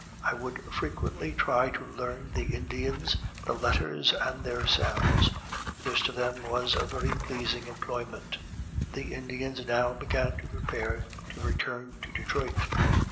I would frequently try to learn the Indians the letters and their sounds; this to them was a very pleasing employment. The Indians now began to prepare to return to Detroit.